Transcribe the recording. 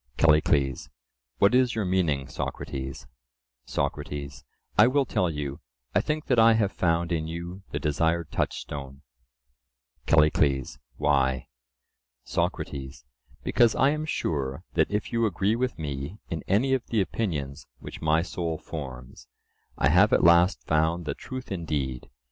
CALLICLES: What is your meaning, Socrates? SOCRATES: I will tell you; I think that I have found in you the desired touchstone. CALLICLES: Why? SOCRATES: Because I am sure that if you agree with me in any of the opinions which my soul forms, I have at last found the truth indeed.